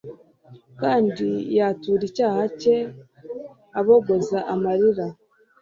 kandi yatura icyaha cye abogoza amarira.